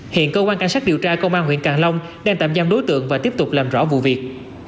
hiện cơ quan cảnh sát điều tra công an huyện càng long đang tạm giam đối tượng và tiếp tục làm rõ vụ việc